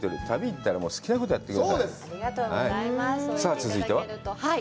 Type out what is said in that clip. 旅に行ったら、好きなことやってください。